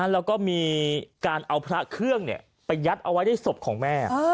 แล้วก็มีการเอาพระเครื่องไปยัดเอาไว้ในศพของแม่